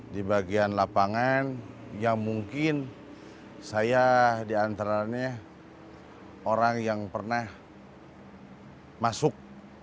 di bagian lapangan yang mungkin saya diantaranya orang yang pernah masuk